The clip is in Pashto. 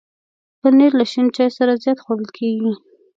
پنېر له شین چای سره زیات خوړل کېږي.